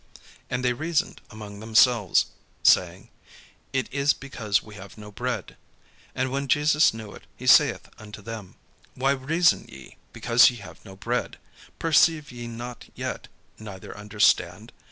And they reasoned among themselves, saying, "It is because we have no bread." And when Jesus knew it, he saith unto them: "Why reason ye, because ye have no bread? Perceive ye not yet, neither understand?